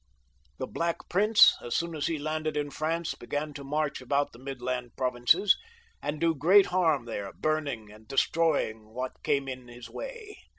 The Black Prince, as soon as he landed in France, began to march about the midland provinces, and do great harm there, burning and destroying what came in his way.